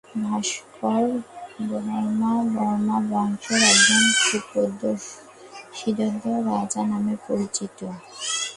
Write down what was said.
ভাস্কর বর্মা, বর্মা বংশের একজন সুপ্রসিদ্ধ রাজা নামে পরিচিত।